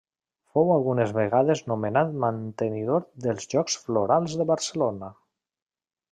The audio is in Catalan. Fou algunes vegades nomenat mantenidor dels Jocs Florals de Barcelona.